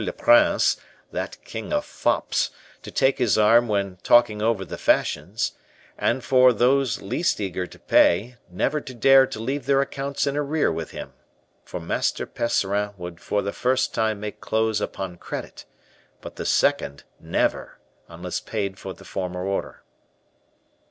le Prince, that king of fops, to take his arm when talking over the fashions; and for those least eager to pay never to dare to leave their accounts in arrear with him; for Master Percerin would for the first time make clothes upon credit, but the second never, unless paid for the former order.